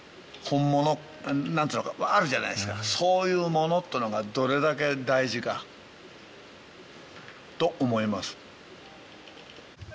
本物何つうのかあるじゃないですかそういうものっていうのがどれだけ大事かと思います